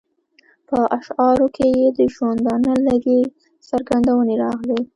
په اشعارو کې یې د ژوندانه لږې څرګندونې راغلې.